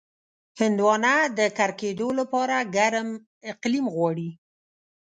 هندوانه د کر کېدو لپاره ګرم اقلیم غواړي.